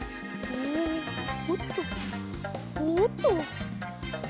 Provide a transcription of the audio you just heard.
おっとおっと。